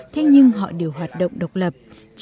thế nhưng họ đều hoạt động độc lập